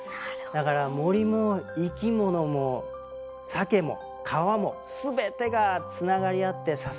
だから森も生き物もサケも川も全てがつながり合って支え合ってる。